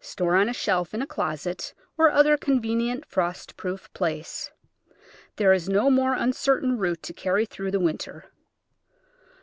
Store on a shelf in a closet, or other convenient frost proof place. There is no more uncertain root to carry through the winter.